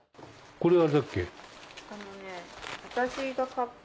これ何だっけ？